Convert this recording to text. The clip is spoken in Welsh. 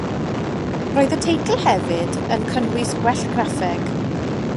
Roedd y teitl hefyd yn cynnwys gwell graffeg.